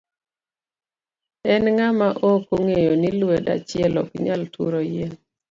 En ng'ama ok ong'eyo ni lwedo achiel ok nyal turo yien?